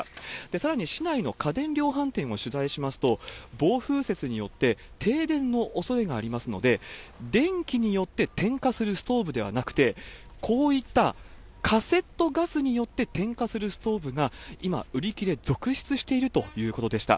さらに市内の家電量販店を取材しますと、暴風雪によって停電のおそれがありますので、電気によって点火するストーブではなくて、こういったカセットガスによって点火するストーブが、今、売り切れ続出しているということでした。